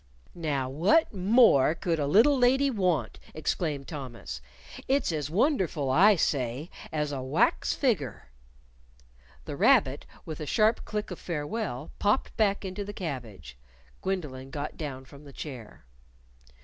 "Now what more could a little lady want!" exclaimed Thomas. "It's as wonderful, I say, as a wax figger." The rabbit, with a sharp click of farewell, popped back into the cabbage. Gwendolyn got down from the chair.